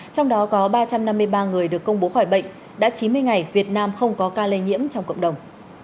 trong đó có ba trăm năm mươi ba người được công bố khỏi bệnh đã chín mươi ngày việt nam không có ca lây nhiễm trong cộng đồng